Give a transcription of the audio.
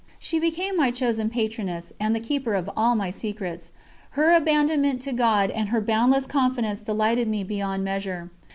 She became my chosen patroness, and the keeper of all my secrets; her abandonment to God and her boundless confidence delighted me beyond measure.